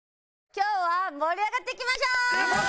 今日は盛り上がっていきましょう！